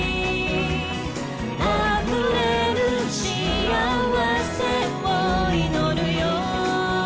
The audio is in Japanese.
「あふれる幸せを祈るよ」